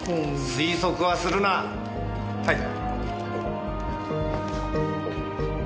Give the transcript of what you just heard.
推測はするな！はいっ。